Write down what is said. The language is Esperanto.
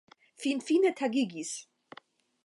Finfine tagigis!